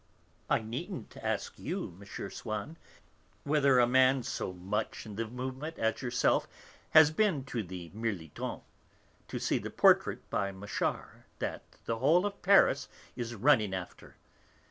"I needn't ask you, M. Swann, whether a man so much in the movement as yourself has been to the Mirlitons, to see the portrait by Machard that the whole of Paris is running after.